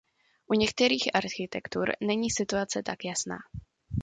U některých architektur není situace tak jasná.